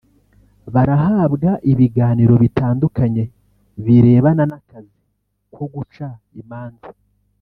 Barahabwa ibiganiro bitandukanye birebana n’akazi ko guca imanza